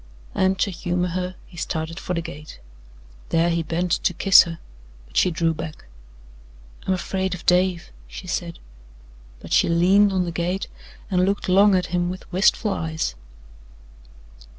And, to humour her, he started for the gate. There he bent to kiss her, but she drew back. "I'm afraid of Dave," she said, but she leaned on the gate and looked long at him with wistful eyes.